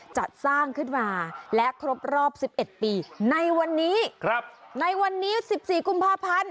จัดสร้างขึ้นมาและครบรอบ๑๑ปีในวันนี้ในวันนี้๑๔กุมภาพันธ์